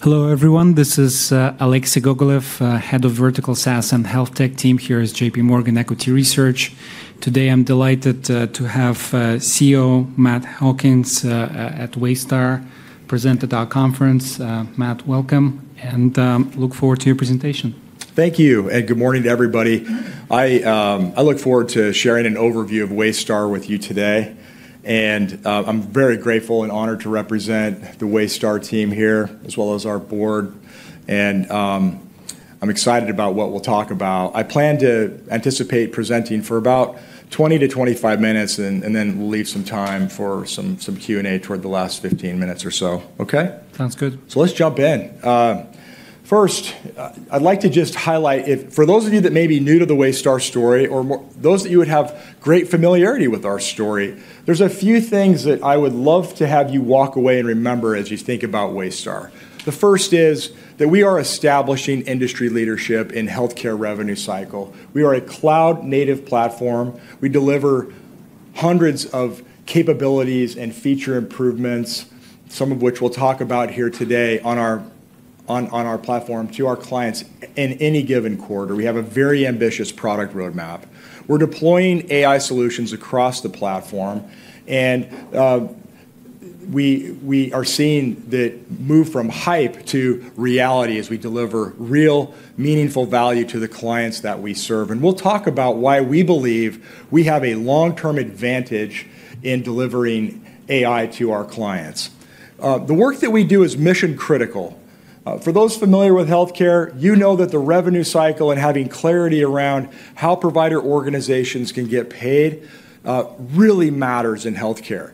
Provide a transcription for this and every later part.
Hello, everyone. This is Alexei Gogolev, head of Vertical SaaS and HealthTech Team here at J.P. Morgan Equity Research. Today, I'm delighted to have CEO Matt Hawkins at Waystar present at our conference. Matt, welcome, and look forward to your presentation. Thank you, and good morning to everybody. I look forward to sharing an overview of Waystar with you today. And I'm very grateful and honored to represent the Waystar team here, as well as our board. And I'm excited about what we'll talk about. I plan to anticipate presenting for about 20-25 minutes, and then we'll leave some time for some Q&A toward the last 15 minutes or so. Okay? Sounds good. So let's jump in. First, I'd like to just highlight, for those of you that may be new to the Waystar story, or those that you would have great familiarity with our story, there's a few things that I would love to have you walk away and remember as you think about Waystar. The first is that we are establishing industry leadership in healthcare revenue cycle. We are a cloud-native platform. We deliver hundreds of capabilities and feature improvements, some of which we'll talk about here today on our platform to our clients in any given quarter. We have a very ambitious product roadmap. We're deploying AI solutions across the platform, and we are seeing that move from hype to reality as we deliver real, meaningful value to the clients that we serve. We'll talk about why we believe we have a long-term advantage in delivering AI to our clients. The work that we do is mission-critical. For those familiar with healthcare, you know that the revenue cycle and having clarity around how provider organizations can get paid really matters in healthcare.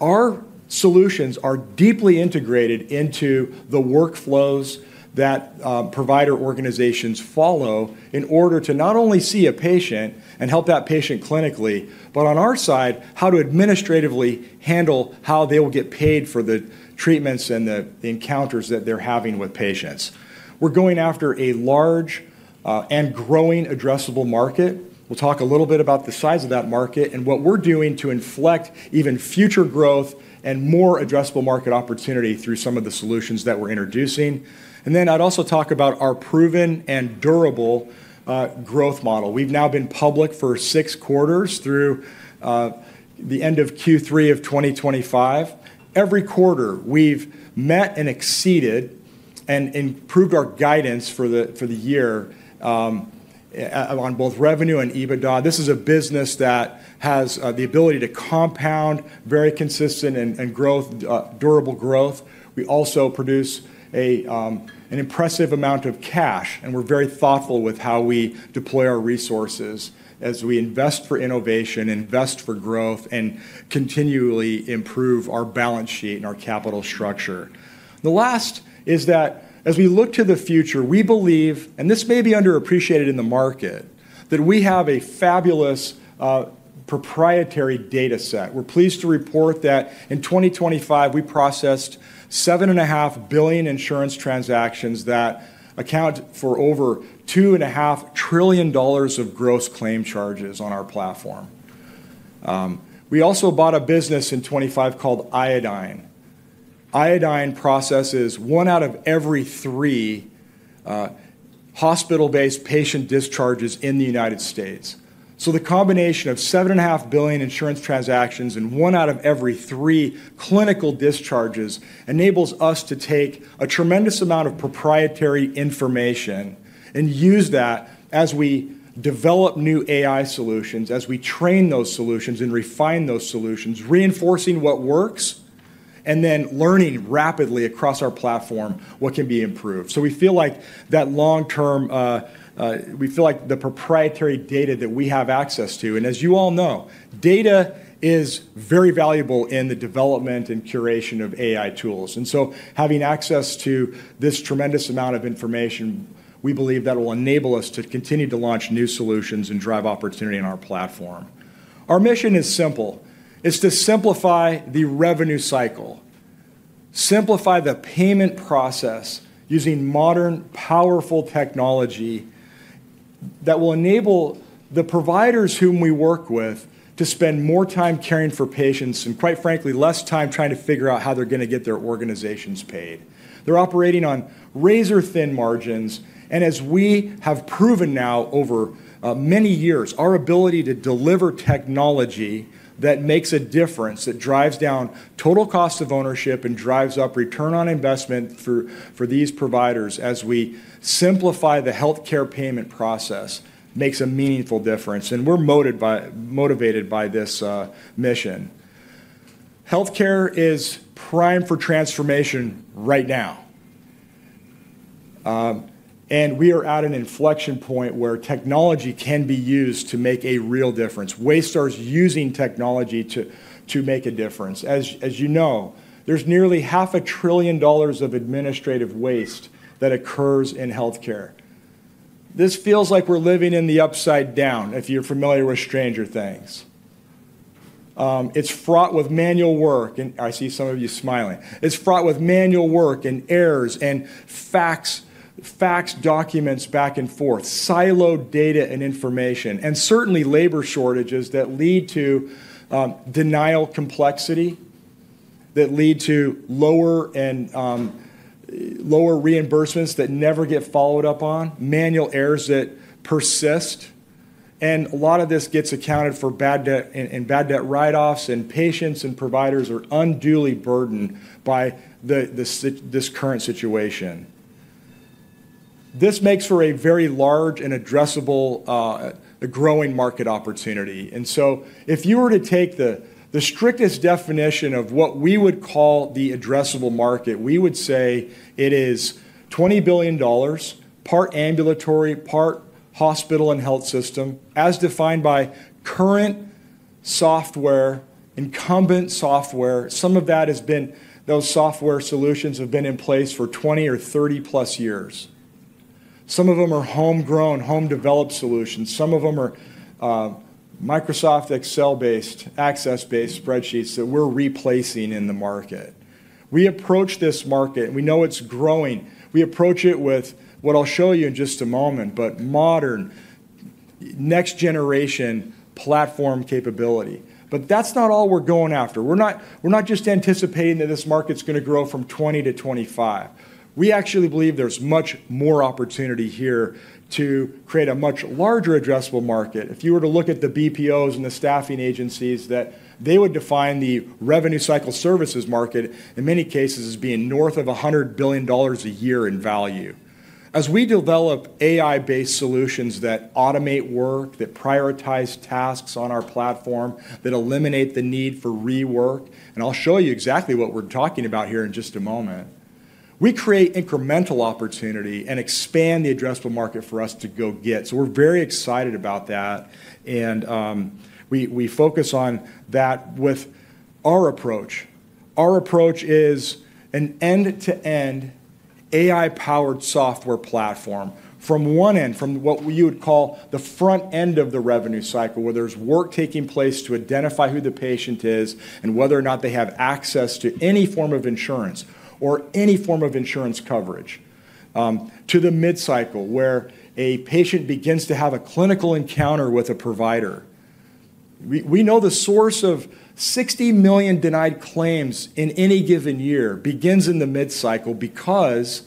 Our solutions are deeply integrated into the workflows that provider organizations follow in order to not only see a patient and help that patient clinically, but on our side, how to administratively handle how they will get paid for the treatments and the encounters that they're having with patients. We're going after a large and growing addressable market. We'll talk a little bit about the size of that market and what we're doing to inflect even future growth and more addressable market opportunity through some of the solutions that we're introducing. I'd also talk about our proven and durable growth model. We've now been public for six quarters through the end of Q3 of 2025. Every quarter, we've met and exceeded and improved our guidance for the year on both revenue and EBITDA. This is a business that has the ability to compound very consistent and durable growth. We also produce an impressive amount of cash, and we're very thoughtful with how we deploy our resources as we invest for innovation, invest for growth, and continually improve our balance sheet and our capital structure. The last is that as we look to the future, we believe, and this may be underappreciated in the market, that we have a fabulous proprietary data set. We're pleased to report that in 2025, we processed 7.5 billion insurance transactions that account for over $2.5 trillion of gross claim charges on our platform. We also bought a business in 2025 called Iodine. Iodine processes one out of every three hospital-based patient discharges in the United States. So the combination of 7.5 billion insurance transactions and one out of every three clinical discharges enables us to take a tremendous amount of proprietary information and use that as we develop new AI solutions, as we train those solutions and refine those solutions, reinforcing what works, and then learning rapidly across our platform what can be improved. So we feel like that long-term, we feel like the proprietary data that we have access to, and as you all know, data is very valuable in the development and curation of AI tools. And so having access to this tremendous amount of information, we believe that will enable us to continue to launch new solutions and drive opportunity on our platform. Our mission is simple. It's to simplify the revenue cycle, simplify the payment process using modern, powerful technology that will enable the providers whom we work with to spend more time caring for patients and, quite frankly, less time trying to figure out how they're going to get their organizations paid. They're operating on razor-thin margins, and as we have proven now over many years, our ability to deliver technology that makes a difference, that drives down total cost of ownership and drives up return on investment for these providers as we simplify the healthcare payment process makes a meaningful difference, and we're motivated by this mission. Healthcare is primed for transformation right now, and we are at an inflection point where technology can be used to make a real difference. Waystar is using technology to make a difference. As you know, there's nearly $500 billion of administrative waste that occurs in healthcare. This feels like we're living in the Upside Down, if you're familiar with Stranger Things. It's fraught with manual work, and I see some of you smiling. It's fraught with manual work and errors and fax documents back and forth, siloed data and information, and certainly labor shortages that lead to denial complexity, that lead to lower reimbursements that never get followed up on, manual errors that persist, and a lot of this gets accounted for bad debt and bad debt write-offs, and patients and providers are unduly burdened by this current situation. This makes for a very large and addressable, growing market opportunity. And so, if you were to take the strictest definition of what we would call the addressable market, we would say it is $20 billion, part ambulatory, part hospital and health system, as defined by current software, incumbent software. Some of that has been, those software solutions have been in place for 20 or 30+ years. Some of them are homegrown, home-developed solutions. Some of them are Microsoft Excel-based, Access-based spreadsheets that we're replacing in the market. We approach this market, and we know it's growing. We approach it with what I'll show you in just a moment, but modern, next-generation platform capability. But that's not all we're going after. We're not just anticipating that this market's going to grow from 2020 to 2025. We actually believe there's much more opportunity here to create a much larger addressable market. If you were to look at the BPOs and the staffing agencies, they would define the revenue cycle services market, in many cases, as being north of $100 billion a year in value. As we develop AI-based solutions that automate work, that prioritize tasks on our platform, that eliminate the need for rework, and I'll show you exactly what we're talking about here in just a moment, we create incremental opportunity and expand the addressable market for us to go get. So we're very excited about that, and we focus on that with our approach. Our approach is an end-to-end AI-powered software platform from one end, from what you would call the front end of the revenue cycle, where there's work taking place to identify who the patient is and whether or not they have access to any form of insurance or any form of insurance coverage, to the mid-cycle where a patient begins to have a clinical encounter with a provider. We know the source of 60 million denied claims in any given year begins in the mid-cycle because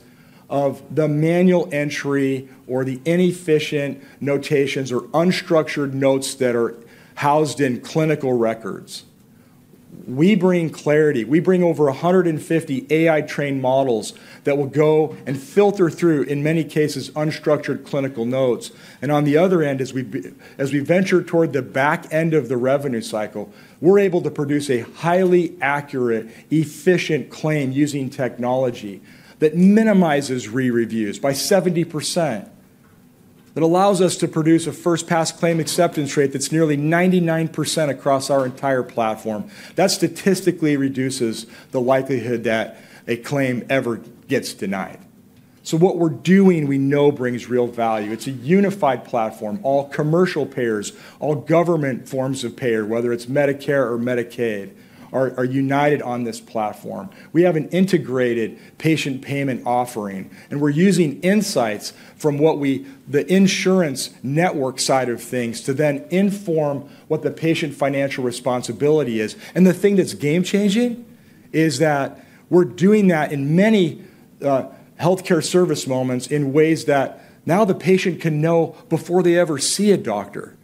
of the manual entry or the inefficient notations or unstructured notes that are housed in clinical records. We bring clarity. We bring over 150 AI-trained models that will go and filter through, in many cases, unstructured clinical notes. On the other end, as we venture toward the back end of the revenue cycle, we're able to produce a highly accurate, efficient claim using technology that minimizes re-reviews by 70%. It allows us to produce a first-pass claim acceptance rate that's nearly 99% across our entire platform. That statistically reduces the likelihood that a claim ever gets denied. What we're doing, we know brings real value. It's a unified platform. All commercial payers, all government forms of payer, whether it's Medicare or Medicaid, are united on this platform. We have an integrated patient payment offering, and we're using insights from the insurance network side of things to then inform what the patient financial responsibility is. And the thing that's game-changing is that we're doing that in many healthcare service moments in ways that now the patient can know before they ever see a doctor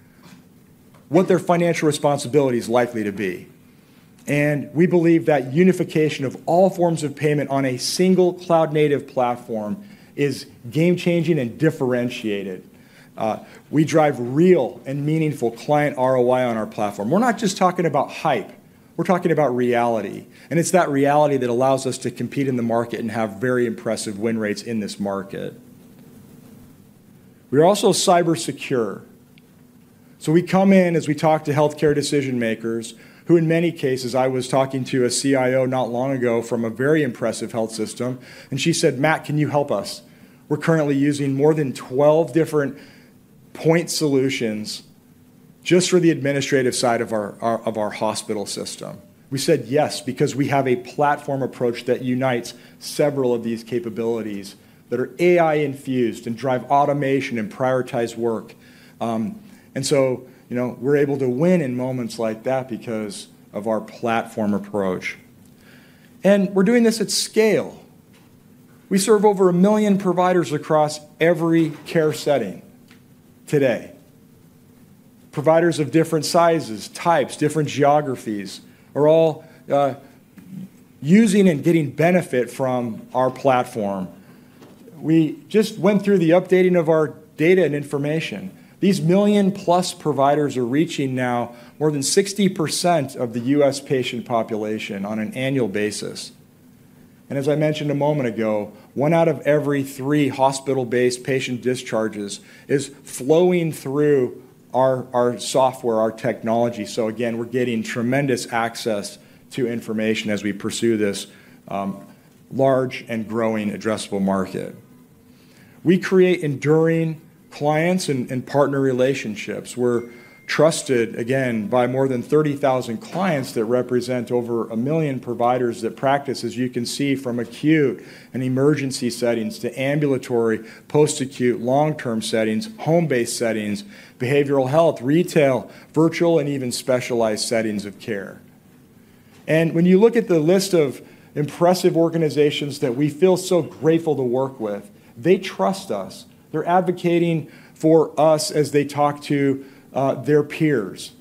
what their financial responsibility is likely to be. And we believe that unification of all forms of payment on a single cloud-native platform is game-changing and differentiated. We drive real and meaningful client ROI on our platform. We're not just talking about hype. We're talking about reality. And it's that reality that allows us to compete in the market and have very impressive win rates in this market. We are also cybersecure. So we come in, as we talk to healthcare decision-makers, who in many cases, I was talking to a CIO not long ago from a very impressive health system, and she said, "Matt, can you help us? We're currently using more than 12 different point solutions just for the administrative side of our hospital system." We said, "Yes," because we have a platform approach that unites several of these capabilities that are AI-infused and drive automation and prioritize work, and we're doing this at scale. We serve over a million providers across every care setting today. Providers of different sizes, types, different geographies are all using and getting benefit from our platform. We just went through the updating of our data and information. These million-plus providers are reaching now more than 60% of the U.S. patient population on an annual basis, and as I mentioned a moment ago, one out of every three hospital-based patient discharges is flowing through our software, our technology. So again, we're getting tremendous access to information as we pursue this large and growing addressable market. We create enduring clients and partner relationships. We're trusted, again, by more than 30,000 clients that represent over a million providers that practice, as you can see, from acute and emergency settings to ambulatory, post-acute, long-term settings, home-based settings, behavioral health, retail, virtual, and even specialized settings of care, and when you look at the list of impressive organizations that we feel so grateful to work with, they trust us. They're advocating for us as they talk to their peers,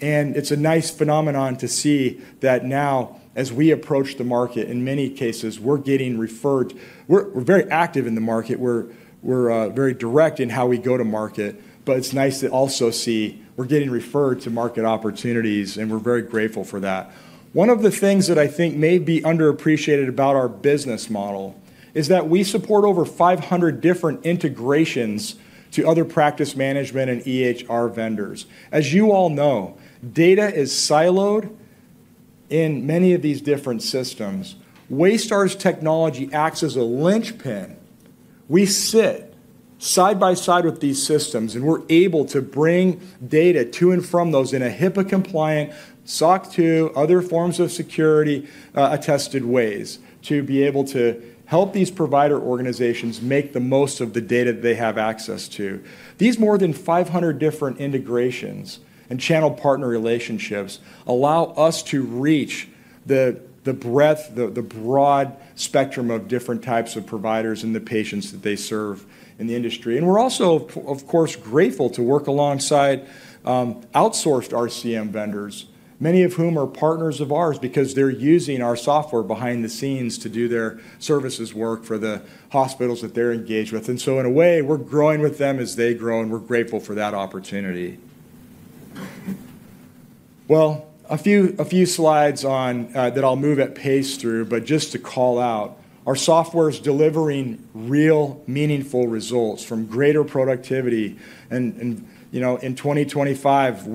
and it's a nice phenomenon to see that now, as we approach the market, in many cases, we're getting referred. We're very active in the market. We're very direct in how we go to market, but it's nice to also see we're getting referred to market opportunities, and we're very grateful for that. One of the things that I think may be underappreciated about our business model is that we support over 500 different integrations to other practice management and EHR vendors. As you all know, data is siloed in many of these different systems. Waystar's technology acts as a linchpin. We sit side by side with these systems, and we're able to bring data to and from those in a HIPAA-compliant, SOC 2, other forms of security-attested ways to be able to help these provider organizations make the most of the data they have access to. These more than 500 different integrations and channel partner relationships allow us to reach the breadth, the broad spectrum of different types of providers and the patients that they serve in the industry. We're also, of course, grateful to work alongside outsourced RCM vendors, many of whom are partners of ours because they're using our software behind the scenes to do their services work for the hospitals that they're engaged with. In a way, we're growing with them as they grow, and we're grateful for that opportunity. A few slides that I'll move at pace through, but just to call out, our software is delivering real, meaningful results from greater productivity. In 2025,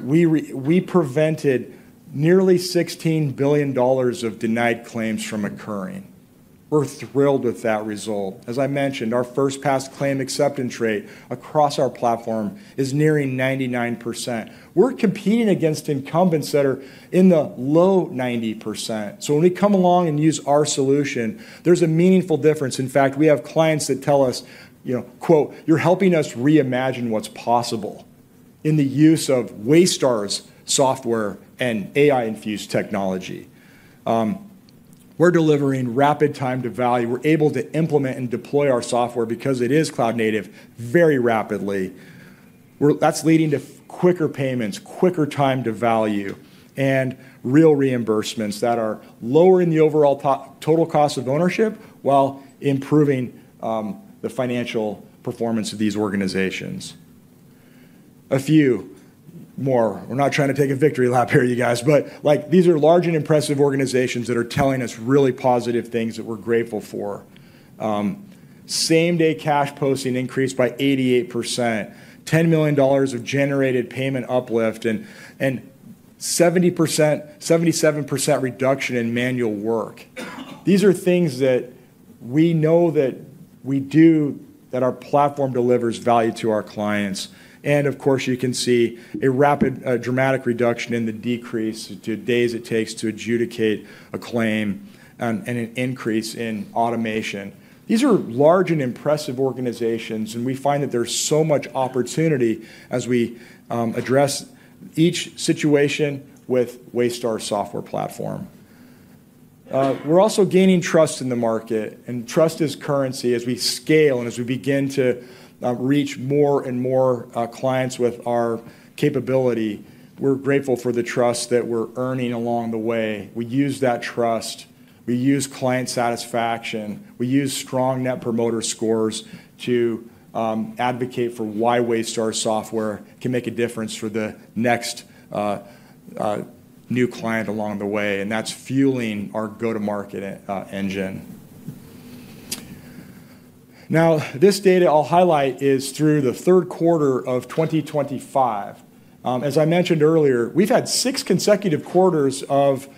we prevented nearly $16 billion of denied claims from occurring. We're thrilled with that result. As I mentioned, our first-pass claim acceptance rate across our platform is nearing 99%. We're competing against incumbents that are in the low 90%. When we come along and use our solution, there's a meaningful difference. In fact, we have clients that tell us, "You're helping us reimagine what's possible in the use of Waystar's software and AI-infused technology." We're delivering rapid time to value. We're able to implement and deploy our software because it is cloud-native very rapidly. That's leading to quicker payments, quicker time to value, and real reimbursements that are lowering the overall total cost of ownership while improving the financial performance of these organizations. A few more. We're not trying to take a victory lap here, you guys, but these are large and impressive organizations that are telling us really positive things that we're grateful for. Same-day cash posting increased by 88%. $10 million of generated payment uplift and 77% reduction in manual work. These are things that we know that we do, that our platform delivers value to our clients. And of course, you can see a rapid, dramatic reduction in the decrease to days it takes to adjudicate a claim and an increase in automation. These are large and impressive organizations, and we find that there's so much opportunity as we address each situation with Waystar's software platform. We're also gaining trust in the market, and trust is currency as we scale and as we begin to reach more and more clients with our capability. We're grateful for the trust that we're earning along the way. We use that trust. We use client satisfaction. We use strong Net Promoter Scores to advocate for why Waystar's software can make a difference for the next new client along the way, and that's fueling our go-to-market engine. Now, this data I'll highlight is through the third quarter of 2025. As I mentioned earlier, we've had six consecutive quarters of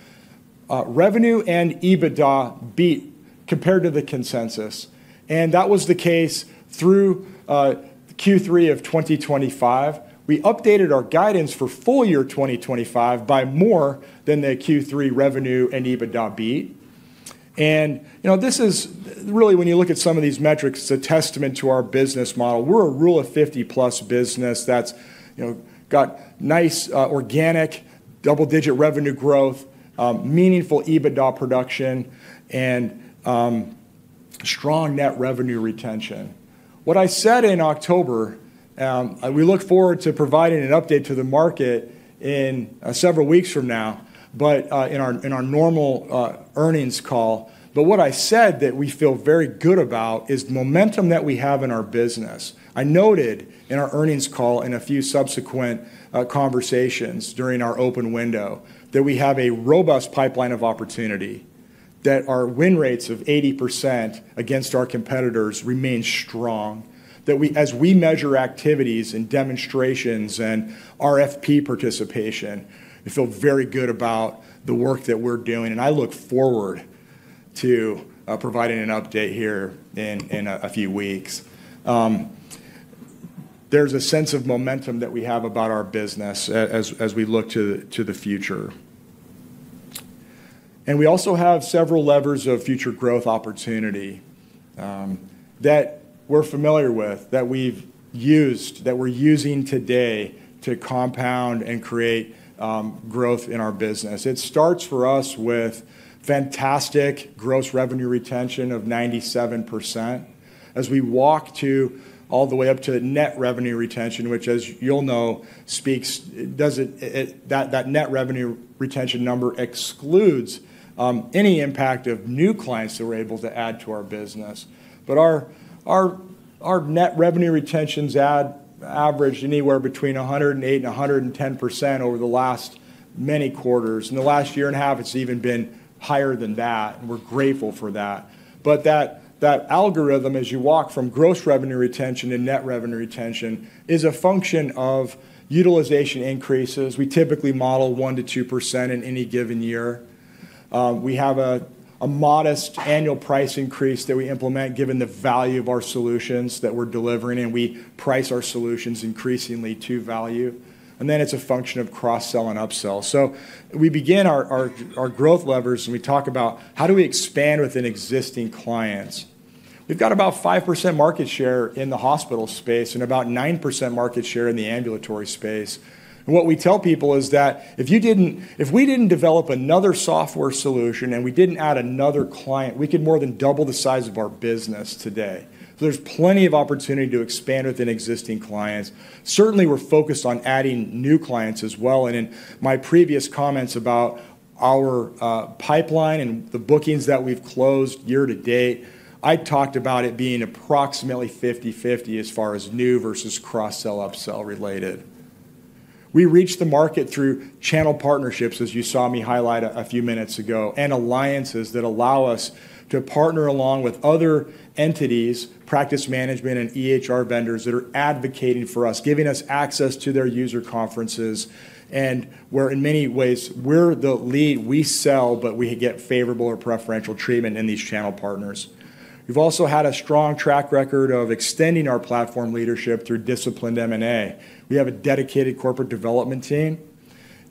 revenue and EBITDA beat compared to the consensus, and that was the case through Q3 of 2025. We updated our guidance for full year 2025 by more than the Q3 revenue and EBITDA beat, and this is really, when you look at some of these metrics, it's a testament to our business model. We're a Rule of 50-plus business that's got nice, organic, double-digit revenue growth, meaningful EBITDA production, and strong net revenue retention. What I said in October, we look forward to providing an update to the market in several weeks from now, but in our normal earnings call, but what I said that we feel very good about is the momentum that we have in our business. I noted in our earnings call and a few subsequent conversations during our open window that we have a robust pipeline of opportunity, that our win rates of 80% against our competitors remain strong, that as we measure activities and demonstrations and RFP participation, we feel very good about the work that we're doing. And I look forward to providing an update here in a few weeks. There's a sense of momentum that we have about our business as we look to the future. And we also have several levers of future growth opportunity that we're familiar with, that we're using today to compound and create growth in our business. It starts for us with fantastic gross revenue retention of 97% as we walk all the way up to net revenue retention, which, as you'll know, speaks that net revenue retention number excludes any impact of new clients that we're able to add to our business, but our net revenue retentions average anywhere between 108% and 110% over the last many quarters. In the last year and a half, it's even been higher than that, and we're grateful for that, but that algorithm, as you walk from gross revenue retention to net revenue retention, is a function of utilization increases. We typically model 1%-2% in any given year. We have a modest annual price increase that we implement given the value of our solutions that we're delivering, and we price our solutions increasingly to value, and then it's a function of cross-sell and upsell. So we begin our growth levers, and we talk about how do we expand within existing clients. We've got about 5% market share in the hospital space and about 9% market share in the ambulatory space. And what we tell people is that if we didn't develop another software solution and we didn't add another client, we could more than double the size of our business today. So there's plenty of opportunity to expand within existing clients. Certainly, we're focused on adding new clients as well. And in my previous comments about our pipeline and the bookings that we've closed year to date, I talked about it being approximately 50/50 as far as new versus cross-sell, upsell related. We reach the market through channel partnerships, as you saw me highlight a few minutes ago, and alliances that allow us to partner along with other entities, practice management, and EHR vendors that are advocating for us, giving us access to their user conferences, and in many ways, we're the lead. We sell, but we get favorable or preferential treatment in these channel partners. We've also had a strong track record of extending our platform leadership through disciplined M&A. We have a dedicated corporate development team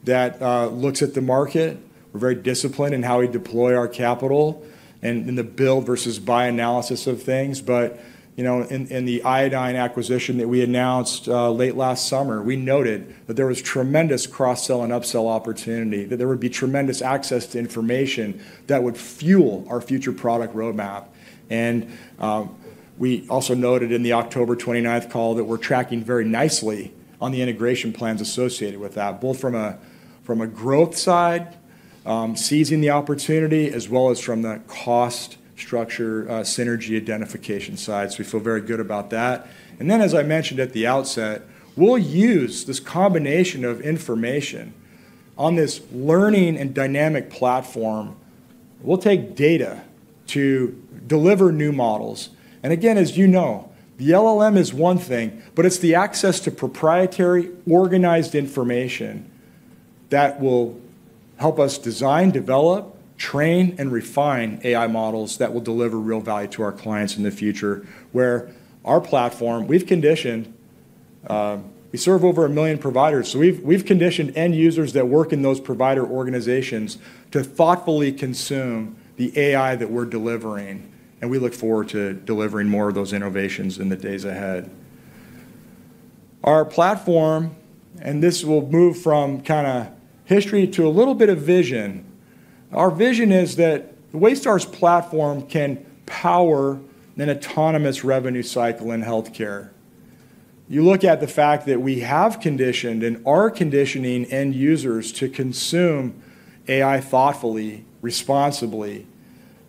that looks at the market. We're very disciplined in how we deploy our capital and in the build versus buy analysis of things, but in the Iodine acquisition that we announced late last summer, we noted that there would be tremendous cross-sell and upsell opportunity, that there would be tremendous access to information that would fuel our future product roadmap. And we also noted in the October 29th call that we're tracking very nicely on the integration plans associated with that, both from a growth side, seizing the opportunity, as well as from the cost structure synergy identification side. So we feel very good about that. And then, as I mentioned at the outset, we'll use this combination of information on this learning and dynamic platform. We'll take data to deliver new models. And again, as you know, the LLM is one thing, but it's the access to proprietary organized information that will help us design, develop, train, and refine AI models that will deliver real value to our clients in the future, where our platform, we've conditioned we serve over a million providers. So we've conditioned end users that work in those provider organizations to thoughtfully consume the AI that we're delivering. We look forward to delivering more of those innovations in the days ahead. Our platform, and this will move from kind of history to a little bit of vision. Our vision is that Waystar's platform can power an autonomous revenue cycle in healthcare. You look at the fact that we have conditioned and are conditioning end users to consume AI thoughtfully, responsibly,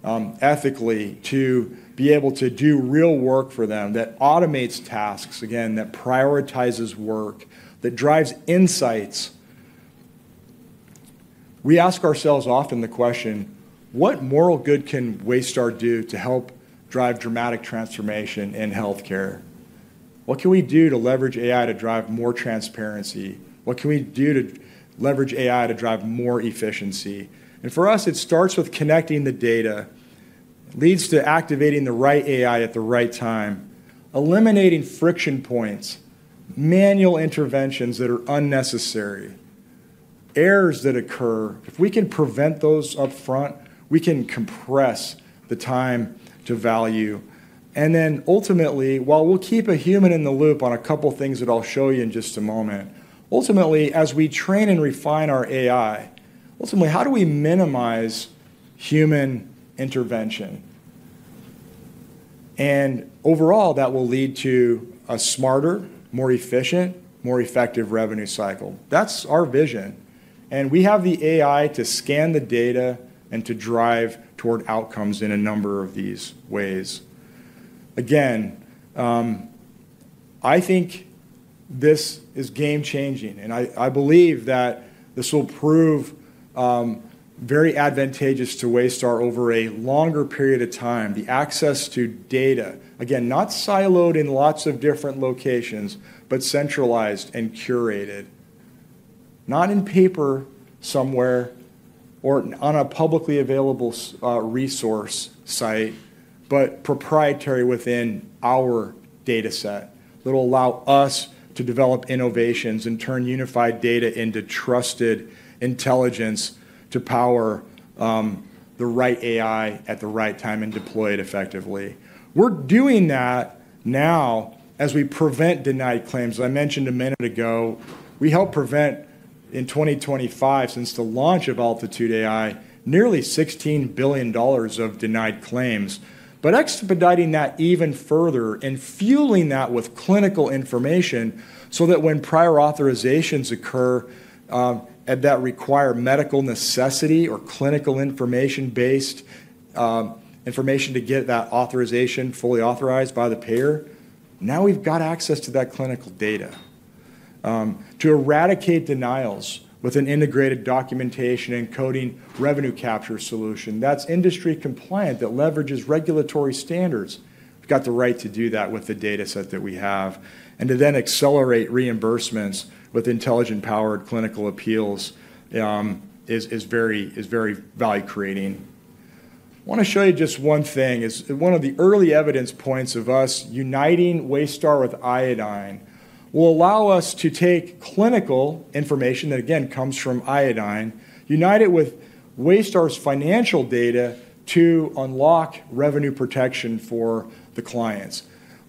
ethically, to be able to do real work for them that automates tasks, again, that prioritizes work, that drives insights. We ask ourselves often the question, "What moral good can Waystar do to help drive dramatic transformation in healthcare? What can we do to leverage AI to drive more transparency? What can we do to leverage AI to drive more efficiency?" And for us, it starts with connecting the data, leads to activating the right AI at the right time, eliminating friction points, manual interventions that are unnecessary, errors that occur. If we can prevent those upfront, we can compress the time to value. And then ultimately, while we'll keep a human in the loop on a couple of things that I'll show you in just a moment, ultimately, as we train and refine our AI, ultimately, how do we minimize human intervention? And overall, that will lead to a smarter, more efficient, more effective revenue cycle. That's our vision. And we have the AI to scan the data and to drive toward outcomes in a number of these ways. Again, I think this is game-changing, and I believe that this will prove very advantageous to Waystar over a longer period of time. The access to data, again, not siloed in lots of different locations, but centralized and curated, not in paper somewhere or on a publicly available resource site, but proprietary within our dataset that will allow us to develop innovations and turn unified data into trusted intelligence to power the right AI at the right time and deploy it effectively. We're doing that now as we prevent denied claims. As I mentioned a minute ago, we help prevent, in 2025, since the launch of Altitude AI, nearly $16 billion of denied claims, but expediting that even further and fueling that with clinical information so that when prior authorizations occur that require medical necessity or clinical information-based information to get that authorization fully authorized by the payer, now we've got access to that clinical data. To eradicate denials with an integrated documentation and coding revenue capture solution that's industry compliant that leverages regulatory standards, we've got the right to do that with the dataset that we have, and to then accelerate reimbursements with intelligent-powered clinical appeals is very value-creating. I want to show you just one thing. One of the early evidence points of us uniting Waystar with Iodine will allow us to take clinical information that, again, comes from Iodine, unite it with Waystar's financial data to unlock revenue protection for the clients.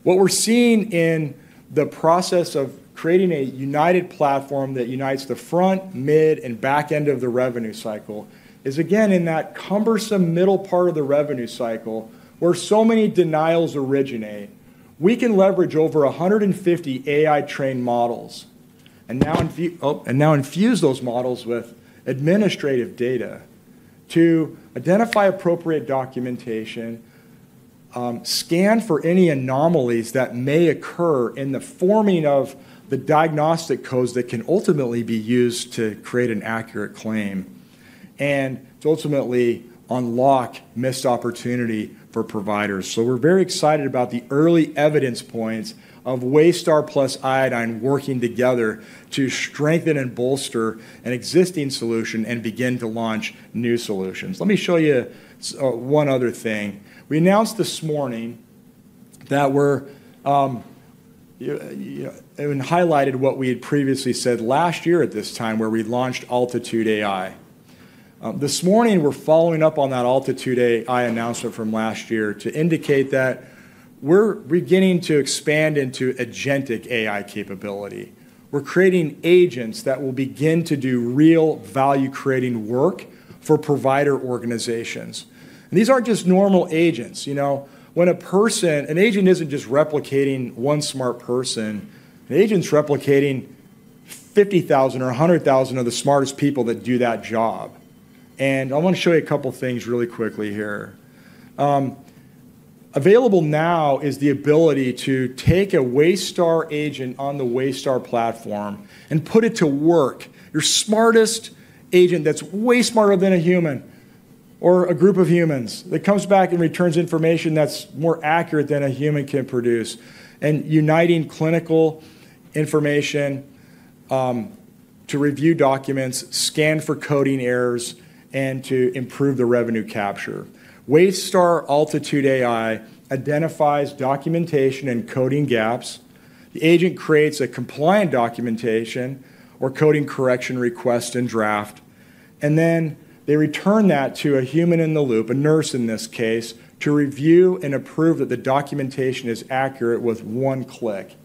What we're seeing in the process of creating a united platform that unites the front, mid, and back end of the revenue cycle is, again, in that cumbersome middle part of the revenue cycle where so many denials originate, we can leverage over 150 AI-trained models and now infuse those models with administrative data to identify appropriate documentation, scan for any anomalies that may occur in the forming of the diagnostic codes that can ultimately be used to create an accurate claim, and to ultimately unlock missed opportunity for providers. So we're very excited about the early evidence points of Waystar plus Iodine working together to strengthen and bolster an existing solution and begin to launch new solutions. Let me show you one other thing. We announced this morning that we're and highlighted what we had previously said last year at this time where we launched Altitude AI. This morning, we're following up on that Altitude AI announcement from last year to indicate that we're beginning to expand into agentic AI capability. We're creating agents that will begin to do real value-creating work for provider organizations. And these aren't just normal agents. When an agent isn't just replicating one smart person, an agent's replicating 50,000 or 100,000 of the smartest people that do that job. And I want to show you a couple of things really quickly here. Available now is the ability to take a Waystar agent on the Waystar platform and put it to work. Your smartest agent that's way smarter than a human or a group of humans that comes back and returns information that's more accurate than a human can produce and utilizing clinical information to review documents, scan for coding errors, and to improve the revenue capture. Waystar Altitude AI identifies documentation and coding gaps. The agent creates a compliant documentation or coding correction request and draft, and then they return that to a human in the loop, a nurse in this case, to review and approve that the documentation is accurate with one click,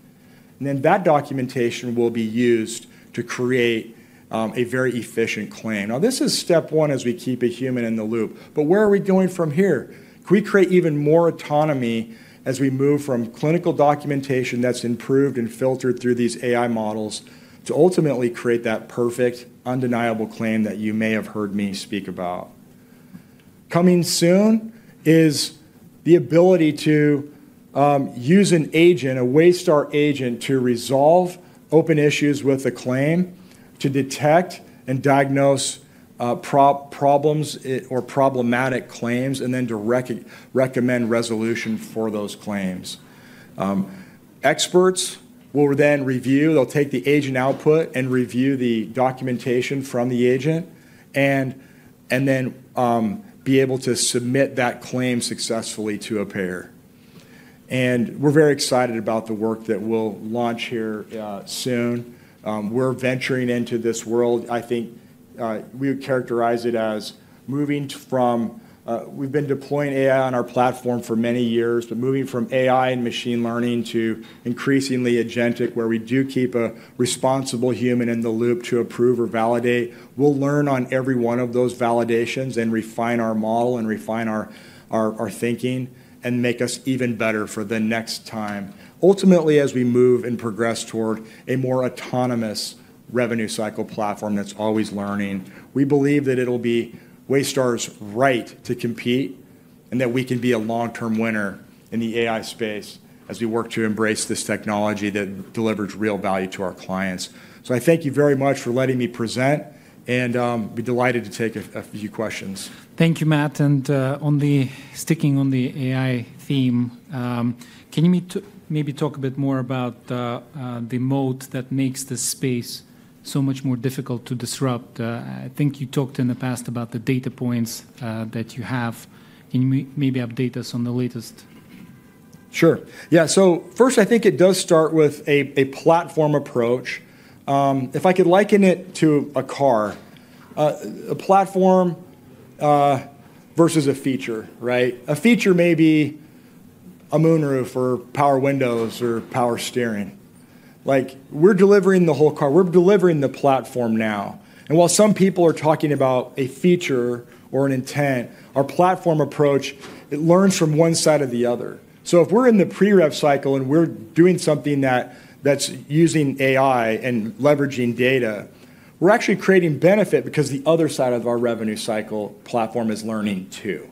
and then that documentation will be used to create a very efficient claim. Now, this is step one as we keep a human in the loop, but where are we going from here? Can we create even more autonomy as we move from clinical documentation that's improved and filtered through these AI models to ultimately create that perfect, undeniable claim that you may have heard me speak about? Coming soon is the ability to use an agent, a Waystar agent, to resolve open issues with a claim, to detect and diagnose problems or problematic claims, and then to recommend resolution for those claims. Experts will then review. They'll take the agent output and review the documentation from the agent and then be able to submit that claim successfully to a payer. And we're very excited about the work that we'll launch here soon. We're venturing into this world. I think we would characterize it as moving from we've been deploying AI on our platform for many years, but moving from AI and machine learning to increasingly agentic, where we do keep a responsible human in the loop to approve or validate. We'll learn on every one of those validations and refine our model and refine our thinking and make us even better for the next time. Ultimately, as we move and progress toward a more autonomous revenue cycle platform that's always learning, we believe that it'll be Waystar's right to compete and that we can be a long-term winner in the AI space as we work to embrace this technology that delivers real value to our clients. So I thank you very much for letting me present, and I'll be delighted to take a few questions. Thank you, Matt. Sticking on the AI theme, can you maybe talk a bit more about the moat that makes this space so much more difficult to disrupt? I think you talked in the past about the data points that you have. Can you maybe update us on the latest? Sure. Yeah. So first, I think it does start with a platform approach. If I could liken it to a car, a platform versus a feature, right? A feature may be a moonroof or power windows or power steering. We're delivering the whole car. We're delivering the platform now. And while some people are talking about a feature or an intent, our platform approach, it learns from one side or the other. So if we're in the pre-rev cycle and we're doing something that's using AI and leveraging data, we're actually creating benefit because the other side of our revenue cycle platform is learning too.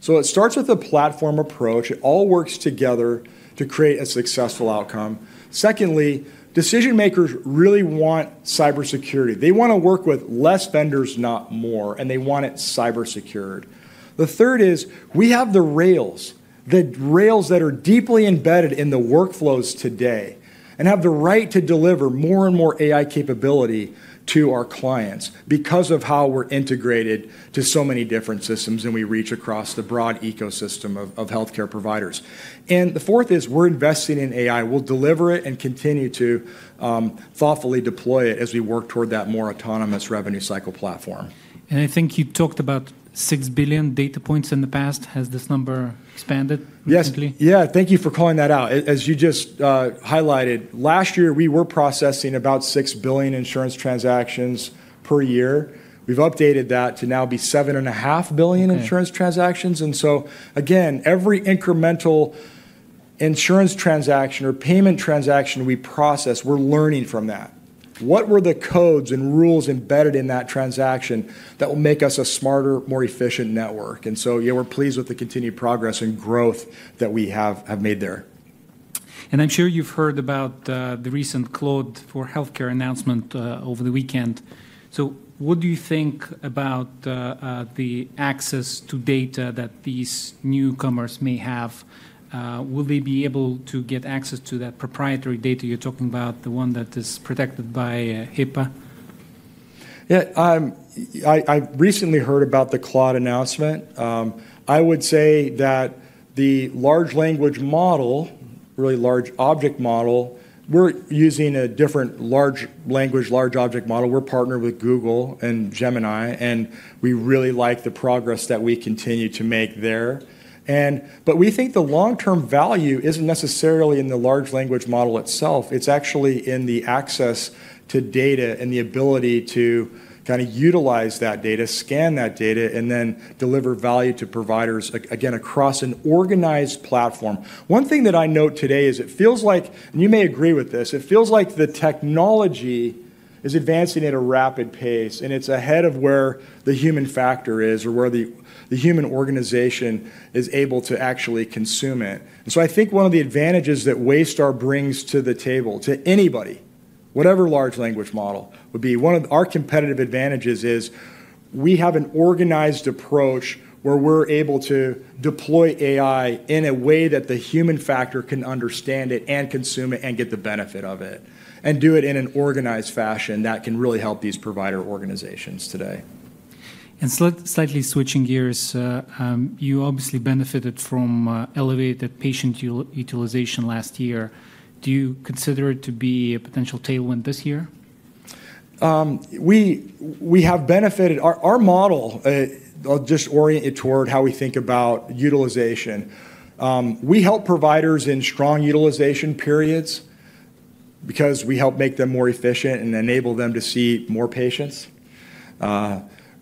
So it starts with a platform approach. It all works together to create a successful outcome. Secondly, decision makers really want cybersecurity. They want to work with less vendors, not more, and they want it cyber-secure. The third is we have the rails, the rails that are deeply embedded in the workflows today and have the right to deliver more and more AI capability to our clients because of how we're integrated to so many different systems and we reach across the broad ecosystem of healthcare providers. And the fourth is we're investing in AI. We'll deliver it and continue to thoughtfully deploy it as we work toward that more autonomous revenue cycle platform. I think you talked about 6 billion data points in the past. Has this number expanded recently? Yes. Yeah. Thank you for calling that out. As you just highlighted, last year, we were processing about 6 billion insurance transactions per year. We've updated that to now be 7.5 billion insurance transactions. And so again, every incremental insurance transaction or payment transaction we process, we're learning from that. What were the codes and rules embedded in that transaction that will make us a smarter, more efficient network? And so yeah, we're pleased with the continued progress and growth that we have made there. I'm sure you've heard about the recent Claude for Healthcare announcement over the weekend. What do you think about the access to data that these newcomers may have? Will they be able to get access to that proprietary data you're talking about, the one that is protected by HIPAA? Yeah. I recently heard about the Claude announcement. I would say that the large language model, really large language model, we're using a different large language, large language model. We're partnered with Google and Gemini, and we really like the progress that we continue to make there. But we think the long-term value isn't necessarily in the large language model itself. It's actually in the access to data and the ability to kind of utilize that data, scan that data, and then deliver value to providers, again, across an organized platform. One thing that I note today is it feels like, and you may agree with this, it feels like the technology is advancing at a rapid pace, and it's ahead of where the human factor is or where the human organization is able to actually consume it. And so, I think one of the advantages that Waystar brings to the table, to anybody, whatever large language model would be, one of our competitive advantages is we have an organized approach where we're able to deploy AI in a way that the human factor can understand it and consume it and get the benefit of it and do it in an organized fashion that can really help these provider organizations today. Slightly switching gears, you obviously benefited from elevated patient utilization last year. Do you consider it to be a potential tailwind this year? We have benefited. Our model, I'll just orient it toward how we think about utilization. We help providers in strong utilization periods because we help make them more efficient and enable them to see more patients.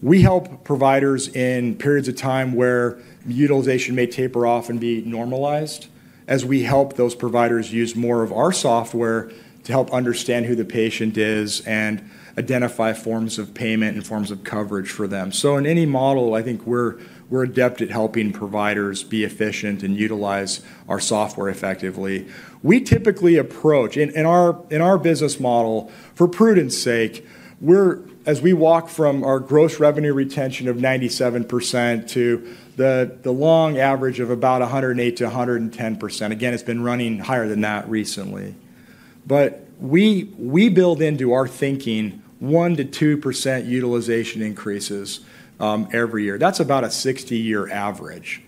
We help providers in periods of time where utilization may taper off and be normalized as we help those providers use more of our software to help understand who the patient is and identify forms of payment and forms of coverage for them. So in any model, I think we're adept at helping providers be efficient and utilize our software effectively. We typically approach, in our business model, for prudence's sake, as we walk from our gross revenue retention of 97% to the long average of about 108%-110%. Again, it's been running higher than that recently. But we build into our thinking 1%-2% utilization increases every year. That's about a 60-year average,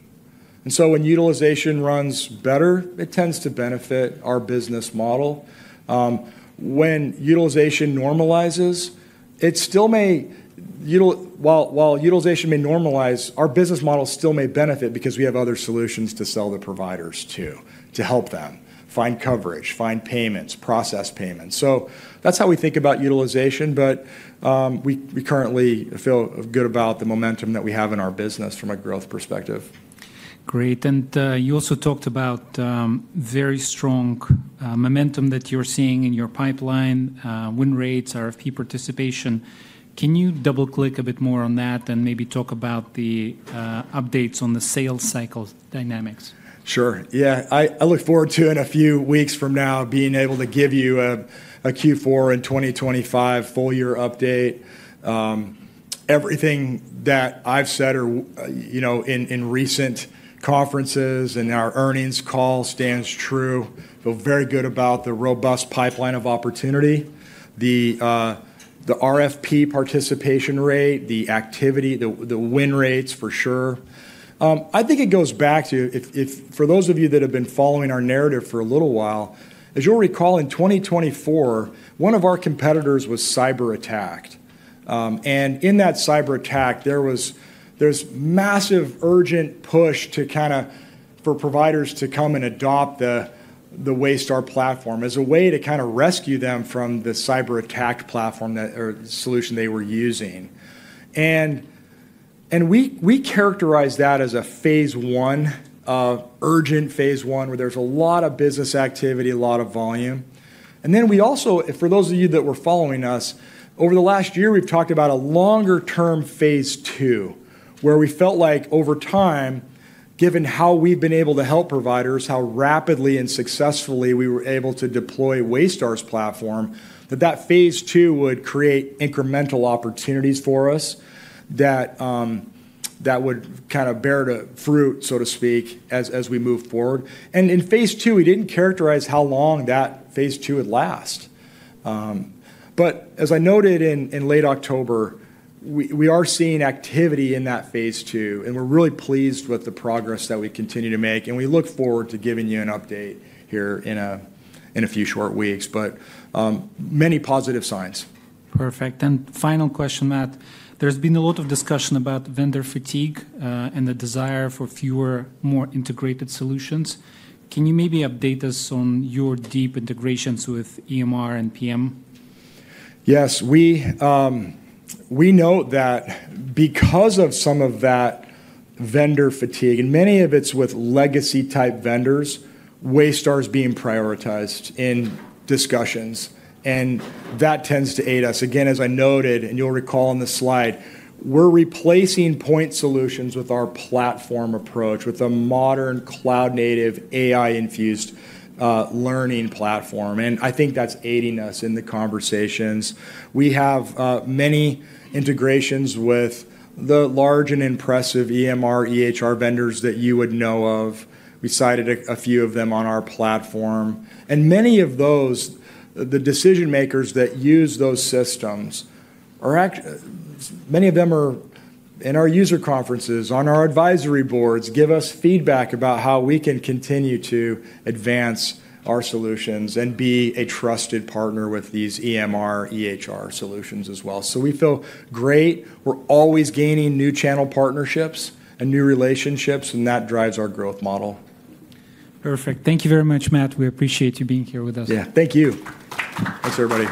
and so when utilization runs better, it tends to benefit our business model. When utilization normalizes, while utilization may normalize, our business model still may benefit because we have other solutions to sell to providers too, to help them find coverage, find payments, process payments, so that's how we think about utilization, but we currently feel good about the momentum that we have in our business from a growth perspective. Great, and you also talked about very strong momentum that you're seeing in your pipeline, win rates, RFP participation. Can you double-click a bit more on that and maybe talk about the updates on the sales cycle dynamics? Sure. Yeah. I look forward to, in a few weeks from now, being able to give you a Q4 and 2025 full-year update. Everything that I've said in recent conferences and our earnings call stands true. I feel very good about the robust pipeline of opportunity, the RFP participation rate, the activity, the win rates for sure. I think it goes back to, for those of you that have been following our narrative for a little while, as you'll recall, in 2024, one of our competitors was cyber attacked. And in that cyber attack, there was this massive urgent push to kind of for providers to come and adopt the Waystar platform as a way to kind of rescue them from the cyber attack platform or solution they were using. We characterize that as a phase one, urgent phase one, where there's a lot of business activity, a lot of volume. We also, for those of you that were following us, over the last year, we've talked about a longer-term phase two, where we felt like over time, given how we've been able to help providers, how rapidly and successfully we were able to deploy Waystar's platform, that that phase two would create incremental opportunities for us that would kind of bear fruit, so to speak, as we move forward. In phase two, we didn't characterize how long that phase two would last. As I noted in late October, we are seeing activity in that phase two, and we're really pleased with the progress that we continue to make. We look forward to giving you an update here in a few short weeks. But many positive signs. Perfect, and final question, Matt. There's been a lot of discussion about vendor fatigue and the desire for fewer, more integrated solutions. Can you maybe update us on your deep integrations with EMR and PM? Yes. We know that because of some of that vendor fatigue, and many of it's with legacy-type vendors, Waystar's being prioritized in discussions, and that tends to aid us. Again, as I noted, and you'll recall on the slide, we're replacing point solutions with our platform approach with a modern cloud-native AI-infused learning platform, and I think that's aiding us in the conversations. We have many integrations with the large and impressive EMR, EHR vendors that you would know of. We cited a few of them on our platform, and many of those, the decision makers that use those systems, many of them are in our user conferences, on our advisory boards, give us feedback about how we can continue to advance our solutions and be a trusted partner with these EMR, EHR solutions as well, so we feel great. We're always gaining new channel partnerships and new relationships, and that drives our growth model. Perfect. Thank you very much, Matt. We appreciate you being here with us. Yeah. Thank you. Thanks, everybody.